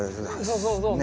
そうそうそうそう。